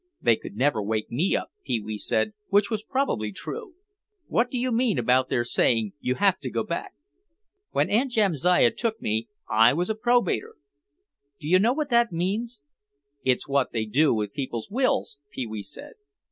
"They could never wake me up," Pee wee said, which was probably true. "What do you mean about their saying you have to go back?" "When Aunt Jamsiah took me, I was a probator. Do you know what that means?" "It's what they do with people's wills," Pee wee said.